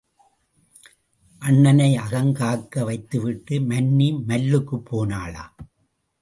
அண்ணனை அகம் காக்க வைத்துவிட்டு மன்னி மல்லுக்குப் போனாளாம்.